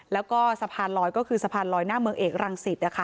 แล้วก็สะพานลอยก็คือสะพานลอยหน้าเมืองเอกรังสิตนะคะ